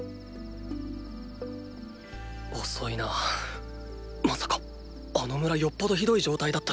遅いなまさかあの村よっぽどひどい状態だったのか？